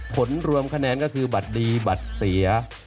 ผลรวมคะแนนก็คือบัตรดีบัตรเสีย